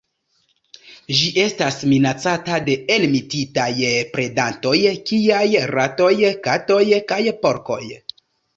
Ĝi estas minacata de enmetitaj predantoj kiaj ratoj, katoj kaj porkoj.